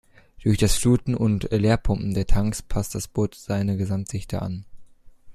Durch das Fluten und Leerpumpen der Tanks passt das Boot seine Gesamtdichte an.